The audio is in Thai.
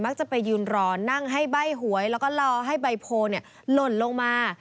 จะไปยืนรอนั่งให้ใบ้หวยแล้วก็รอให้ใบโพลหล่นลงมา